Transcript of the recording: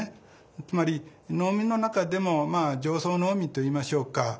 つまり農民の中でも上層農民といいましょうか。